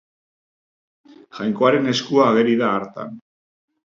Jainkoaren eskua ageri da hartan.